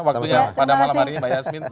waktunya pada malam hari ini mbak yasmin